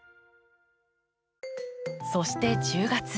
そして１０月。